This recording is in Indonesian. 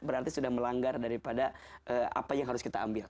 berarti sudah melanggar daripada apa yang harus kita ambil